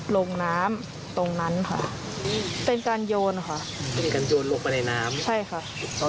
ลงน้ำตรงนั้นค่ะเป็นการโยนน้ำใช่ค่ะ